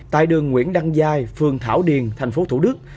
tại đường nguyễn đăng giai phường thảo điền thành phố thủ đức